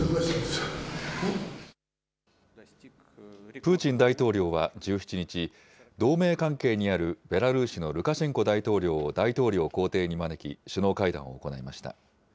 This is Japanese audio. プーチン大統領は１７日、同盟関係にあるベラルーシのルカシェンコ大統領を大統領公邸に招き、首脳会談を行いました。